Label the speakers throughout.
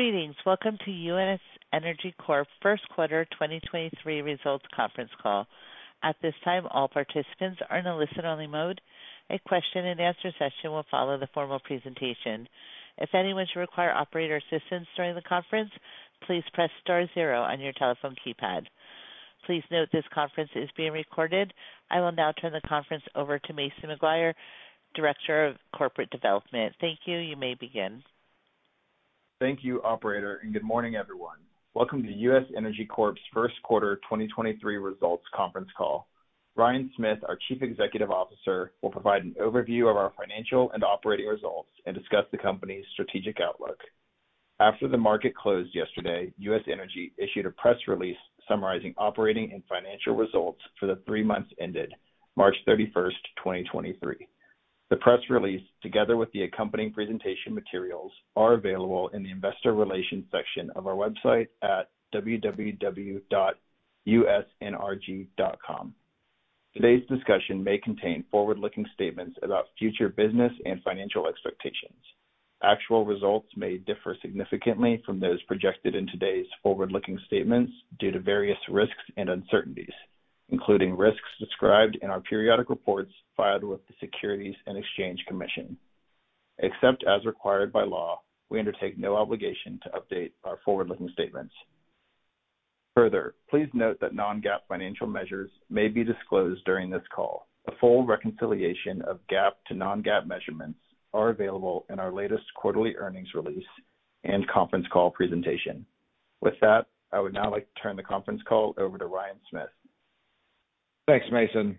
Speaker 1: Greetings. Welcome to U.S. Energy Corp. First Quarter 2023 Results Conference Call. At this time, all participants are in a listen-only mode. A question-and-answer session will follow the formal presentation. If anyone should require operator assistance during the conference, please press star zero on your telephone keypad. Please note this conference is being recorded. I will now turn the conference over to Mason McGuire, Director of Corporate Development. Thank you. You may begin.
Speaker 2: Thank you, operator, and good morning, everyone. Welcome to U.S. Energy Corp.'s First Quarter 2023 Results Conference Call. Ryan Smith, our Chief Executive Officer, will provide an overview of our financial and operating results and discuss the company's strategic outlook. After the market closed yesterday, U.S. Energy issued a press release summarizing operating and financial results for the three months ended March 31, 2023. The press release, together with the accompanying presentation materials, are available in the Investor Relations section of our website at www.usnrg.com. Today's discussion may contain forward-looking statements about future business and financial expectations. Actual results may differ significantly from those projected in today's forward-looking statements due to various risks and uncertainties, including risks described in our periodic reports filed with the Securities and Exchange Commission. Except as required by law, we undertake no obligation to update our forward-looking statements. Further, please note that non-GAAP financial measures may be disclosed during this call. A full reconciliation of GAAP to non-GAAP measurements are available in our latest quarterly earnings release and conference call presentation. With that, I would now like to turn the conference call over to Ryan Smith.
Speaker 3: Thanks, Mason.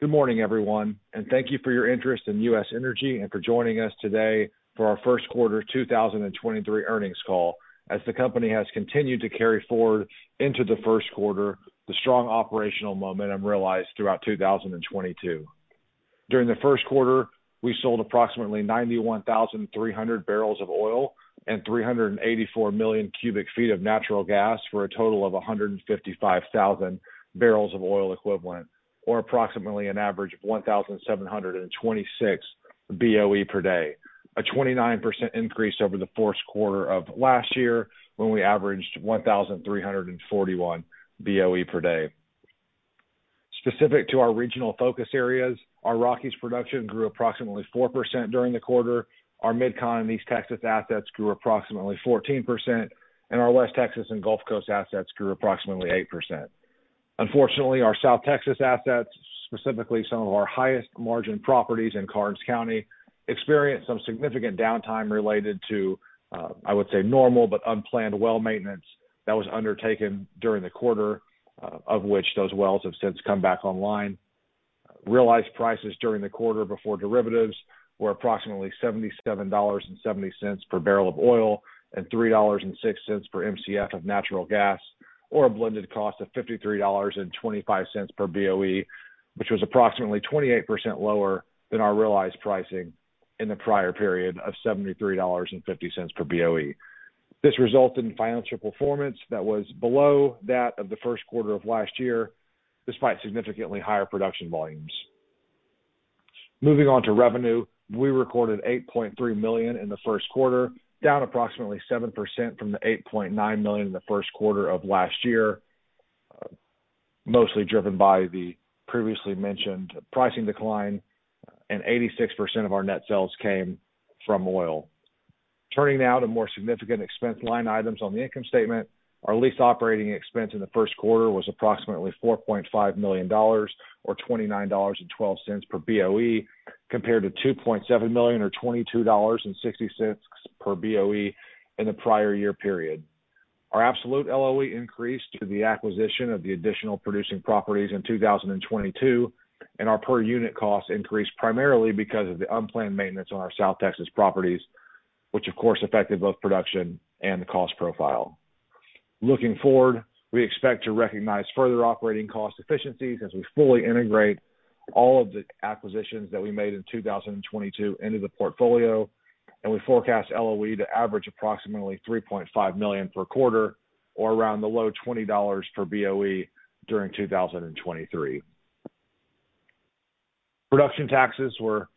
Speaker 3: Good morning, everyone, thank you for your interest in U.S. Energy and for joining us today for our Q1 2023 earnings call as the company has continued to carry forward into the Q1 the strong operational momentum realized throughout 2022. During the Q1, we sold approximately 91,300 barrels of oil and 384 million cubic feet of natural gas for a total of 155,000 barrels of oil equivalent, or approximately an average of 1,726 BOE per day, a 29% increase over the Q4 of last year when we averaged 1,341 BOE per day. Specific to our regional focus areas, our Rockies production grew approximately 4% during the quarter. Our MidCon and East Texas assets grew approximately 14%, and our West Texas and Gulf Coast assets grew approximately 8%. Unfortunately, our South Texas assets, specifically some of our highest margin properties in Karnes County, experienced some significant downtime related to, I would say, normal but unplanned well maintenance that was undertaken during the quarter, of which those wells have since come back online. Realized prices during the quarter before derivatives were approximately $77.70 per barrel of oil and $3.06 per Mcf of natural gas, or a blended cost of $53.25 per BOE, which was approximately 28% lower than our realized pricing in the prior period of $73.50 per BOE. This resulted in financial performance that was below that of the Q1 of last year, despite significantly higher production volumes. Moving on to revenue. We recorded $8.3 million in the Q1, down approximately 7% from the $8.9 million in the Q1 of last year, mostly driven by the previously mentioned pricing decline, and 86% of our net sales came from oil. Turning now to more significant expense line items on the income statement, our lease operating expense in the Q1 was approximately $4.5 million or $29.12 per BOE, compared to $2.7 million or $22.60 per BOE in the prior year period. Our absolute LOE increased due to the acquisition of the additional producing properties in 2022, and our per unit cost increased primarily because of the unplanned maintenance on our South Texas properties, which of course affected both production and the cost profile. Looking forward, we expect to recognize further operating cost efficiencies as we fully integrate all of the acquisitions that we made in 2022 into the portfolio, and we forecast LOE to average approximately $3.5 million per quarter or around the low $20 per BOE during 2023. Production taxes were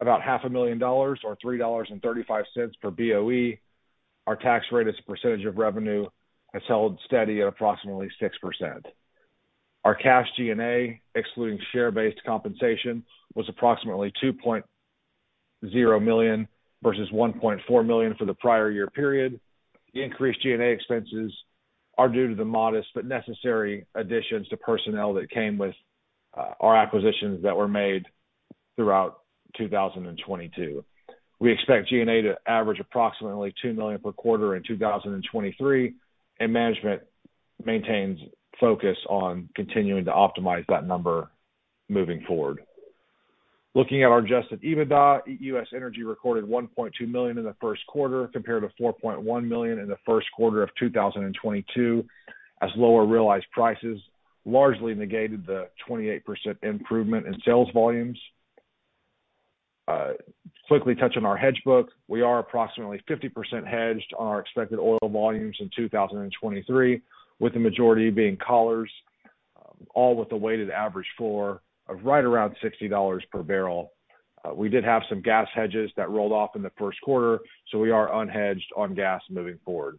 Speaker 3: about half a million dollars or $3.35 per BOE. Our tax rate as a percentage of revenue has held steady at approximately 6%. Our cash G&A, excluding share-based compensation, was approximately $2.0 million versus $1.4 million for the prior year period. The increased G&A expenses are due to the modest but necessary additions to personnel that came with our acquisitions that were made throughout 2022. We expect G&A to average approximately $2 million per quarter in 2023. Management maintains focus on continuing to optimize that number moving forward. Looking at our Adjusted EBITDA, U.S. Energy recorded $1.2 million in the Q1 compared to $4.1 million in the Q1 of 2022 as lower realized prices largely negated the 28% improvement in sales volumes. Quickly touching our hedge book, we are approximately 50% hedged on our expected oil volumes in 2023, with the majority being collars. All with a weighted average floor of right around $60 per barrel. We did have some gas hedges that rolled off in the Q1, so we are unhedged on gas moving forward.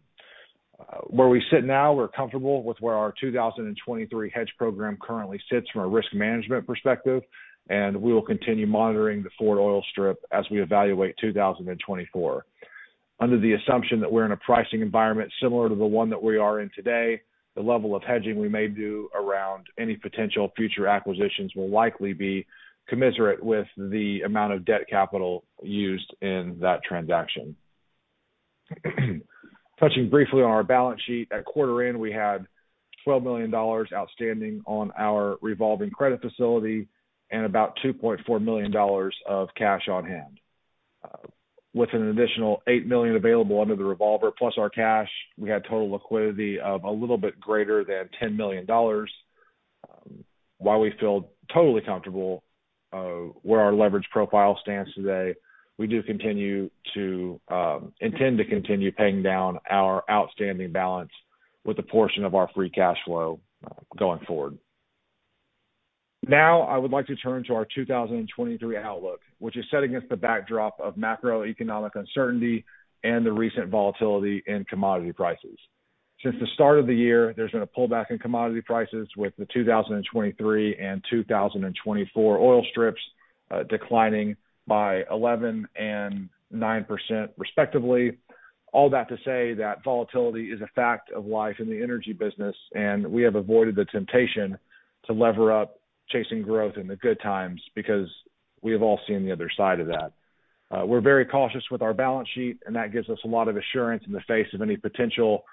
Speaker 3: Where we sit now, we're comfortable with where our 2023 hedge program currently sits from a risk management perspective, and we will continue monitoring the forward oil strip as we evaluate 2024. Under the assumption that we're in a pricing environment similar to the one that we are in today, the level of hedging we may do around any potential future acquisitions will likely be commiserate with the amount of debt capital used in that transaction. Touching briefly on our balance sheet, at quarter end, we had $12 million outstanding on our revolving credit facility and about $2.4 million of cash on hand. With an additional $8 million available under the revolver, plus our cash, we had total liquidity of a little bit greater than $10 million. While we feel totally comfortable where our leverage profile stands today, we do continue to intend to continue paying down our outstanding balance with a portion of our free cash flow going forward. I would like to turn to our 2023 outlook, which is set against the backdrop of macroeconomic uncertainty and the recent volatility in commodity prices. Since the start of the year, there's been a pullback in commodity prices with the 2023 and 2024 oil strips declining by 11% and 9% respectively. All that to say that volatility is a fact of life in the energy business. We have avoided the temptation to lever up chasing growth in the good times because we have all seen the other side of that. We're very cautious with our balance sheet. That gives us a lot of assurance in the face of any potential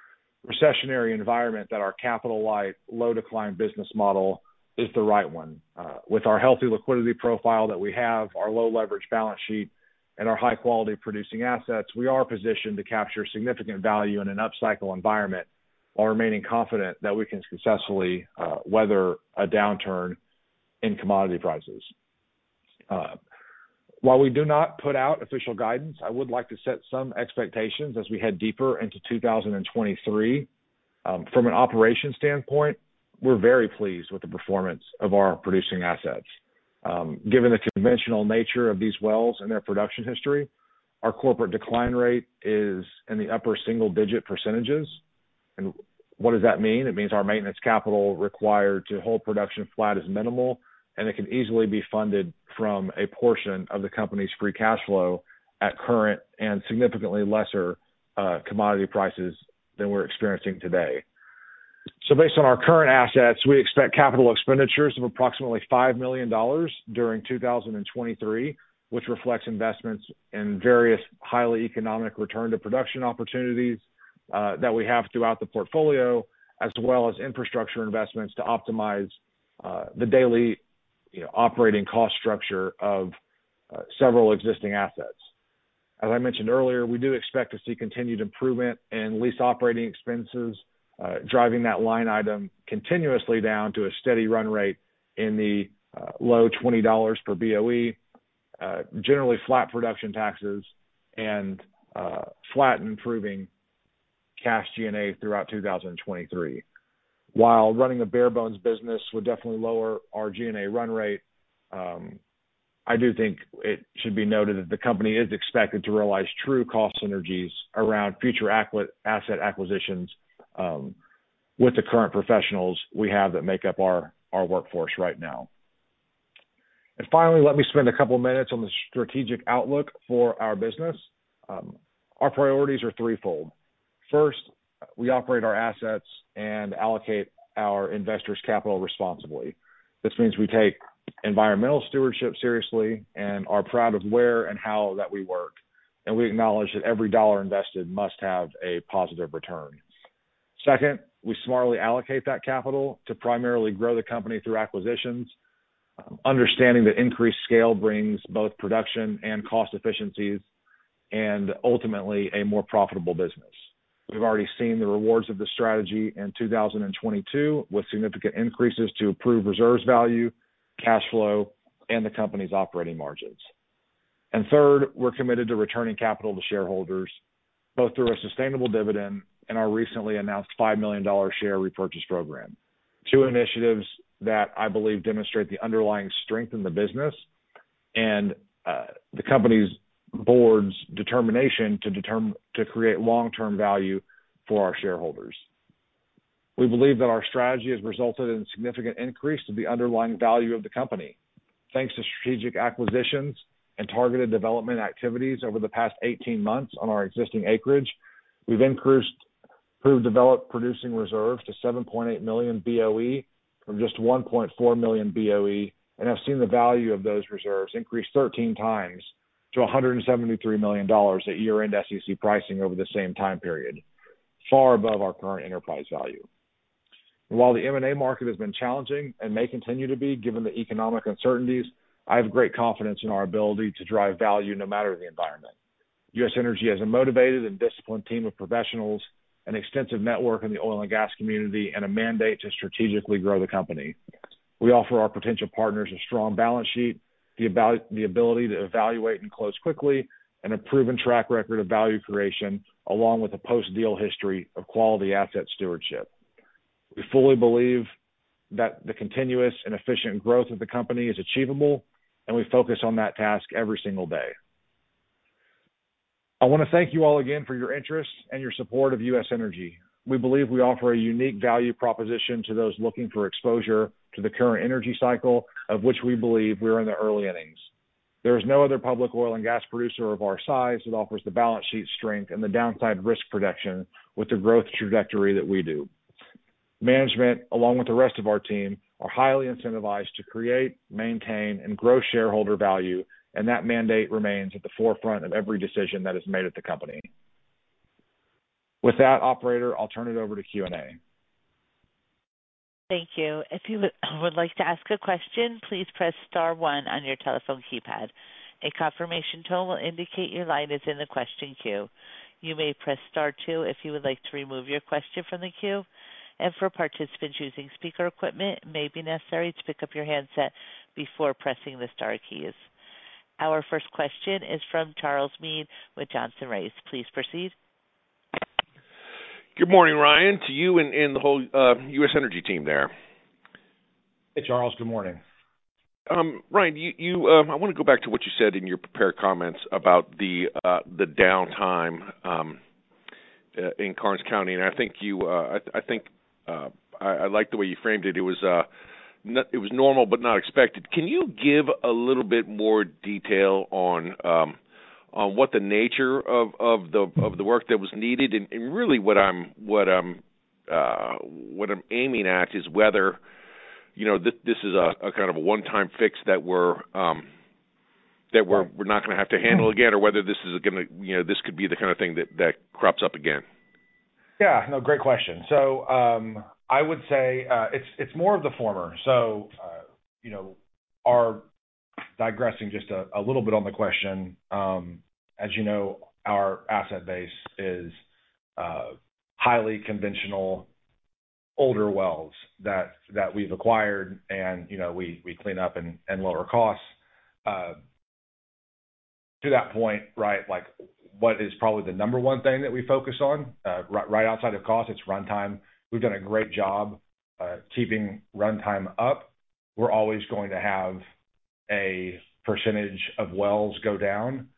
Speaker 3: recessionary environment that our capital-light, low decline business model is the right one. With our healthy liquidity profile that we have, our low leverage balance sheet, and our high-quality producing assets, we are positioned to capture significant value in an upcycle environment while remaining confident that we can successfully weather a downturn in commodity prices. While we do not put out official guidance, I would like to set some expectations as we head deeper into 2023. From an operations standpoint, we're very pleased with the performance of our producing assets. Given the conventional nature of these wells and their production history, our corporate decline rate is in the upper single-digit %. What does that mean? It means our maintenance capital required to hold production flat is minimal, and it can easily be funded from a portion of the company's free cash flow at current and significantly lesser commodity prices than we're experiencing today. Based on our current assets, we expect capital expenditures of approximately $5 million during 2023, which reflects investments in various highly economic return to production opportunities that we have throughout the portfolio, as well as infrastructure investments to optimize the daily, you know, operating cost structure of several existing assets. As I mentioned earlier, we do expect to see continued improvement in lease operating expenses, driving that line item continuously down to a steady run rate in the low $20 per BOE, generally flat production taxes and flat improving cash G&A throughout 2023. While running a bare bones business would definitely lower our G&A run rate, I do think it should be noted that the company is expected to realize true cost synergies around future acqui-asset acquisitions with the current professionals we have that make up our workforce right now. Finally, let me spend a couple of minutes on the strategic outlook for our business. Our priorities are threefold. First, we operate our assets and allocate our investors' capital responsibly. This means we take environmental stewardship seriously and are proud of where and how that we work, and we acknowledge that every $1 invested must have a positive return. Second, we smartly allocate that capital to primarily grow the company through acquisitions, understanding that increased scale brings both production and cost efficiencies and ultimately a more profitable business. We've already seen the rewards of this strategy in 2022, with significant increases to approved reserves value, cash flow, and the company's operating margins. Third, we're committed to returning capital to shareholders, both through a sustainable dividend and our recently announced $5 million share repurchase program. Two initiatives that I believe demonstrate the underlying strength in the business and the company's board's determination to create long-term value for our shareholders. We believe that our strategy has resulted in significant increase to the underlying value of the company. Thanks to strategic acquisitions and targeted development activities over the past 18 months on our existing acreage, we've increased proved developed producing reserves to 7.8 million BOE from just 1.4 million BOE, and have seen the value of those reserves increase 13 times to $173 million at year-end SEC pricing over the same time period, far above our current enterprise value. While the M&A market has been challenging and may continue to be, given the economic uncertainties, I have great confidence in our ability to drive value no matter the environment. U.S. Energy has a motivated and disciplined team of professionals, an extensive network in the oil and gas community, and a mandate to strategically grow the company. We offer our potential partners a strong balance sheet, the ability to evaluate and close quickly, and a proven track record of value creation, along with a post-deal history of quality asset stewardship. We fully believe that the continuous and efficient growth of the company is achievable, and we focus on that task every single day. I wanna thank you all again for your interest and your support of U.S. Energy. We believe we offer a unique value proposition to those looking for exposure to the current energy cycle, of which we believe we are in the early innings. There is no other public oil and gas producer of our size that offers the balance sheet strength and the downside risk protection with the growth trajectory that we do. Management, along with the rest of our team, are highly incentivized to create, maintain, and grow shareholder value. That mandate remains at the forefront of every decision that is made at the company. With that, operator, I'll turn it over to Q&A.
Speaker 1: Thank you. If you would like to ask a question, please press star one on your telephone keypad. A confirmation tone will indicate your line is in the question queue. You may press star two if you would like to remove your question from the queue. For participants using speaker equipment, it may be necessary to pick up your handset before pressing the star keys. Our first question is from Charles Meade with Johnson Rice. Please proceed.
Speaker 4: Good morning, Ryan, to you and the whole U.S. Energy team there.
Speaker 3: Hey, Charles. Good morning.
Speaker 4: Ryan, I wanna go back to what you said in your prepared comments about the downtime in Karnes County, and I think you, I think, I like the way you framed it. It was normal but not expected. Can you give a little bit more detail on what the nature of the work that was needed? Really what I'm aiming at is whether, you know, this is a kind of a one-time fix that we're not gonna have to handle again, or whether this is gonna, you know, this could be the kinda thing that crops up again.
Speaker 3: No, great question. I would say it's more of the former. you know, our Digressing just a little bit on the question, as you know, our asset base is highly conventional older wells that we've acquired and, you know, we clean up and lower costs. To that point, right, like, what is probably the number 1 thing that we focus on, right outside of cost, it's runtime. We've done a great job keeping runtime up. We're always going to have a percentage of wells go down.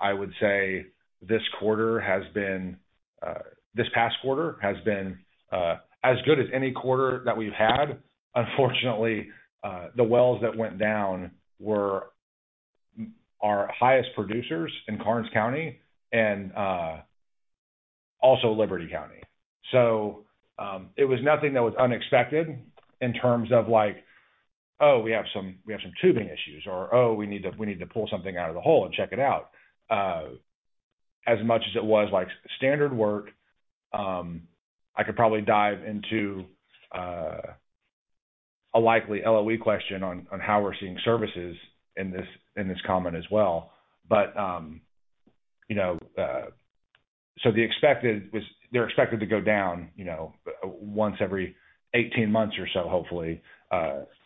Speaker 3: I would say this past quarter has been as good as any quarter that we've had. Unfortunately, the wells that went down were our highest producers in Karnes County and also Liberty County. it was nothing that was unexpected in terms of like, we have some, we have some tubing issues, or, we need to, we need to pull something out of the hole and check it out, as much as it was like standard work. I could probably dive into a likely LOE question on how we're seeing services in this comment as well. you know, the expected was they're expected to go down, you know, once every 18 months or so, hopefully.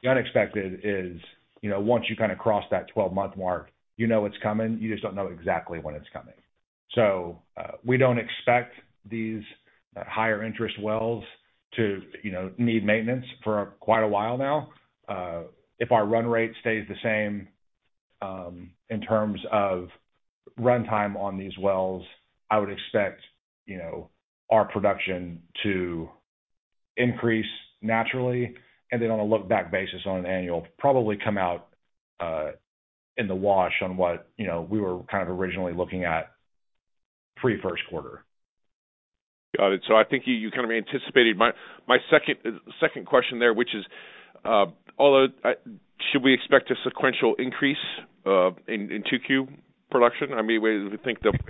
Speaker 3: the unexpected is, you know, once you kind of cross that 12-month mark, you know it's coming, you just don't know exactly when it's coming. we don't expect these higher interest wells to, you know, need maintenance for quite a while now. If our run rate stays the same, in terms of runtime on these wells, I would expect, you know, our production to increase naturally. On a lookback basis, on an annual, probably come out in the wash on what, you know, we were kind of originally looking at pre-Q1.
Speaker 4: Got it. I think you kind of anticipated my second question there, which is, although, should we expect a sequential increase, in 2Q production? I mean, we think the... You know,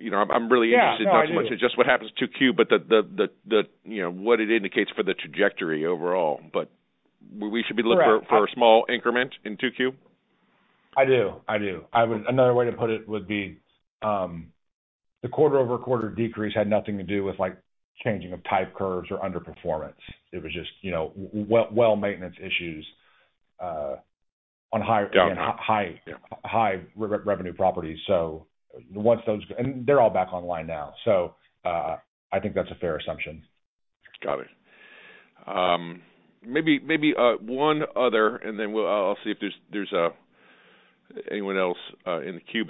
Speaker 4: I'm really interested-
Speaker 3: Yeah. No, I do.
Speaker 4: not so much in just what happens in 2Q, but the, you know, what it indicates for the trajectory overall. We should be looking for.
Speaker 3: Correct.
Speaker 4: for a small increment in Q2?
Speaker 3: I do. I do. I would... Another way to put it would be, the quarter-over-quarter decrease had nothing to do with, like, changing of type curves or underperformance. It was just, you know, well maintenance issues, on higher-
Speaker 4: Got it.
Speaker 3: -and high-
Speaker 4: Yeah.
Speaker 3: -high revenue properties. They're all back online now. I think that's a fair assumption.
Speaker 4: Got it. Maybe, one other, and then I'll see if there's anyone else in the queue.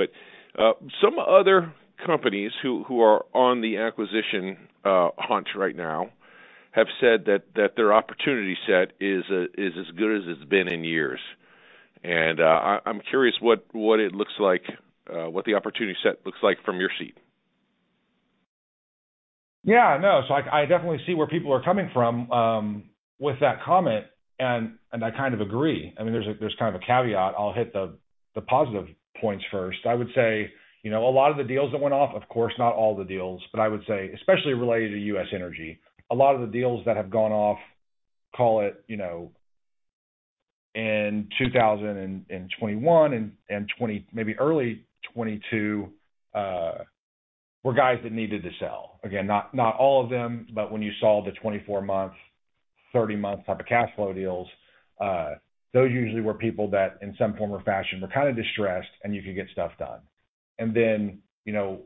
Speaker 4: Some other companies who are on the acquisition hunt right now have said that their opportunity set is as good as it's been in years. I'm curious what it looks like, what the opportunity set looks like from your seat.
Speaker 3: No. I definitely see where people are coming from with that comment, and I kind of agree. I mean, there's kind of a caveat. I'll hit the positive points first. I would say, you know, a lot of the deals that went off, of course, not all the deals, but I would say, especially related to U.S. Energy, a lot of the deals that have gone off, call it, 2021 and 2022, were guys that needed to sell. Again, not all of them, but when you saw the 24-month, 30-month type of cash flow deals, those usually were people that in some form or fashion were kind of distressed and you could get stuff done. You know,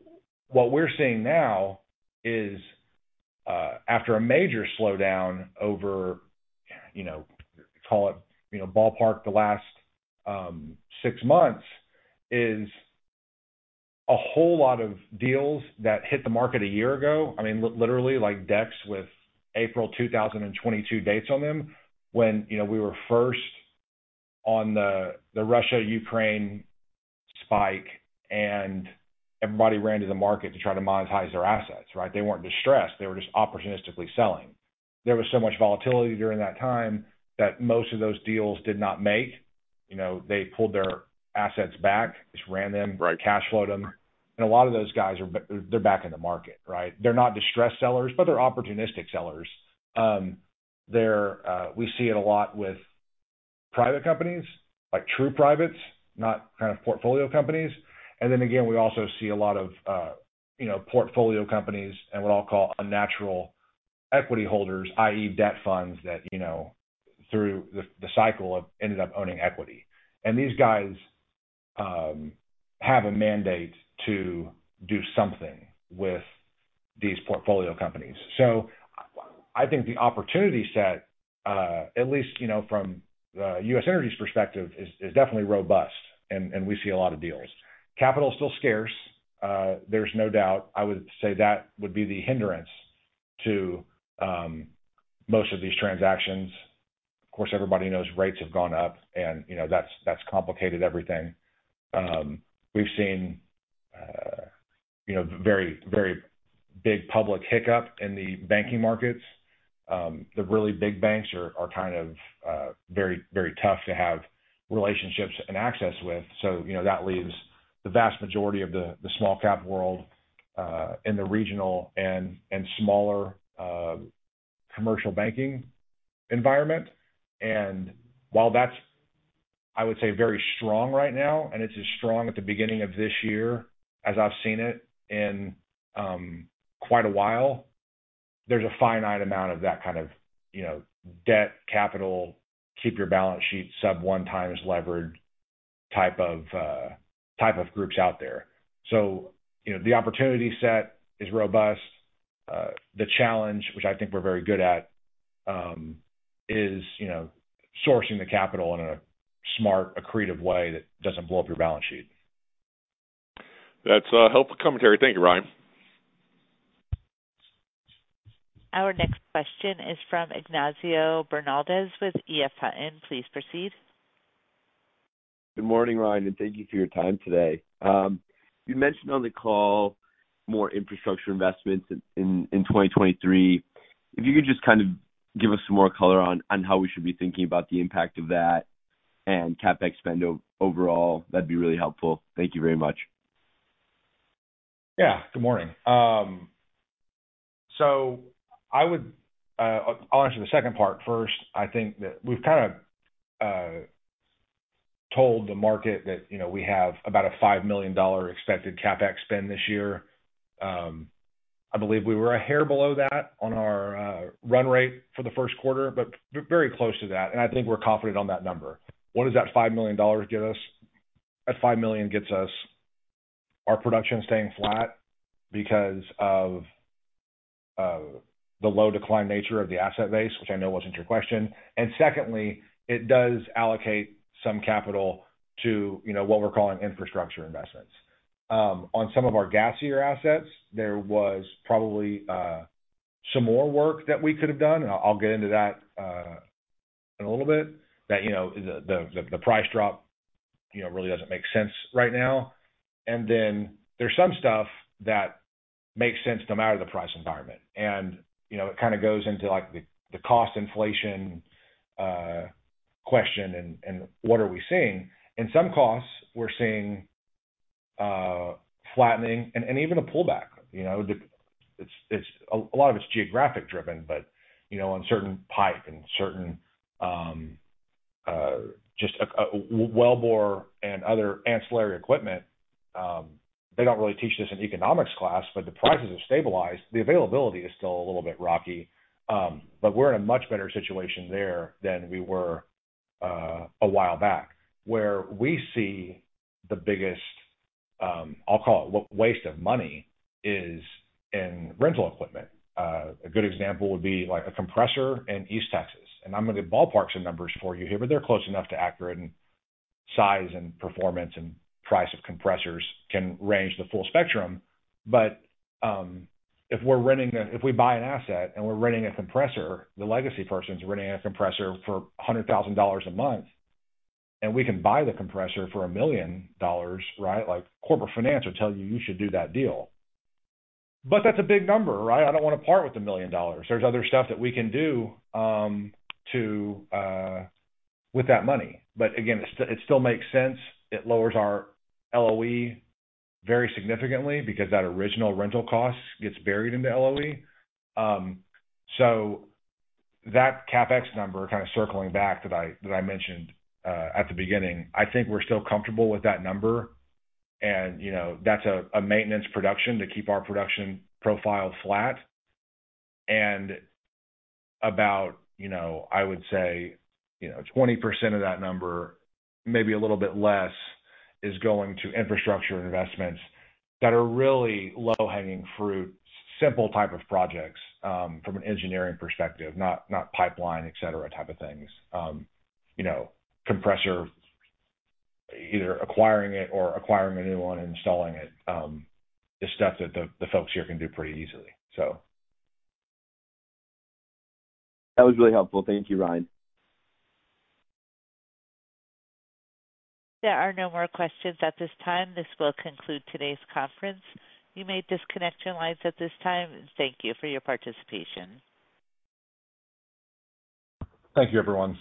Speaker 3: what we're seeing now is, after a major slowdown over, you know, call it, you know, ballpark the last, six months, is a whole lot of deals that hit the market a year ago. I mean, literally, like, decks with April 2022 dates on them when, you know, we were first on the Russia-Ukraine spike and everybody ran to the market to try to monetize their assets, right? They weren't distressed. They were just opportunistically selling. There was so much volatility during that time that most of those deals did not make. You know, they pulled their assets back, just ran them-
Speaker 4: Right
Speaker 3: cash flowed them. A lot of those guys are they're back in the market, right? They're not distressed sellers, but they're opportunistic sellers. They're, we see it a lot with private companies, like true privates, not kind of portfolio companies. Then again, we also see a lot of, you know, portfolio companies and what I'll call unnatural equity holders, i.e., debt funds that, you know, through the cycle of ended up owning equity. These guys have a mandate to do something with these portfolio companies. I think the opportunity set, at least, you know, from U.S. Energy's perspective is definitely robust and we see a lot of deals. Capital is still scarce. There's no doubt. I would say that would be the hindrance to most of these transactions. Of course, everybody knows rates have gone up. You know, that's complicated everything. We've seen, you know, very big public hiccup in the banking markets. The really big banks are kind of very tough to have relationships and access with. You know, that leaves the vast majority of the small cap world in the regional and smaller commercial banking environment. While that's I would say very strong right now, and it's as strong at the beginning of this year as I've seen it in quite a while, there's a finite amount of that kind of, you know, debt, capital, keep your balance sheet sub 1x leverage type of groups out there. You know, the opportunity set is robust. The challenge, which I think we're very good at, is, you know, sourcing the capital in a smart, accretive way that doesn't blow up your balance sheet.
Speaker 4: That's helpful commentary. Thank you, Ryan.
Speaker 1: Our next question is from Noel Parks with EF Hutton. Please proceed.
Speaker 5: Good morning, Ryan, and thank you for your time today. You mentioned on the call more infrastructure investments in 2023. If you could just kind of give us some more color on how we should be thinking about the impact of that and CapEx spend overall, that'd be really helpful. Thank you very much.
Speaker 3: Yeah. Good morning. I'll answer the second part first. I think that we've kind of, told the market that, you know, we have about a $5 million expected CapEx spend this year. I believe we were a hair below that on our, run rate for the Q1, but very close to that. I think we're confident on that number. What does that $5 million get us? That $5 million gets us our production staying flat because of, the low decline nature of the asset base, which I know wasn't your question. Secondly, it does allocate some capital to, you know, what we're calling infrastructure investments. On some of our gassier assets, there was probably some more work that we could have done, and I'll get into that in a little bit, that, you know, the price drop, you know, really doesn't make sense right now. There's some stuff that makes sense no matter the price environment. You know, it kind of goes into, like, the cost inflation question and what are we seeing. In some costs, we're seeing flattening and even a pullback. You know, it's. A lot of it's geographic driven, but, you know, on certain pipe and certain just wellbore and other ancillary equipment, they don't really teach this in economics class, but the prices have stabilized. The availability is still a little bit rocky. We're in a much better situation there than we were, a while back. Where we see the biggest, I'll call it waste of money is in rental equipment. A good example would be, like, a compressor in East Texas. I'm gonna ballparks some numbers for you here, but they're close enough to accurate. Size and performance and price of compressors can range the full spectrum. If we buy an asset and we're renting a compressor, the legacy person's renting a compressor for $100,000 a month, and we can buy the compressor for $1 million, right? Like corporate finance will tell you you should do that deal. That's a big number, right? I don't wanna part with $1 million. There's other stuff that we can do, to with that money. Again, it still makes sense. It lowers our LOE very significantly because that original rental cost gets buried in the LOE. That CapEx number, kind of circling back, that I mentioned at the beginning, I think we're still comfortable with that number and, you know, that's a maintenance production to keep our production profile flat. About, you know, I would say, you know, 20% of that number, maybe a little bit less, is going to infrastructure investments that are really low-hanging fruit, simple type of projects from an engineering perspective, not pipeline, et cetera, type of things. You know, compressor, either acquiring it or acquiring a new one and installing it, is stuff that the folks here can do pretty easily, so.
Speaker 5: That was really helpful. Thank you, Ryan.
Speaker 1: There are no more questions at this time. This will conclude today's conference. You may disconnect your lines at this time. Thank you for your participation.
Speaker 3: Thank you, everyone.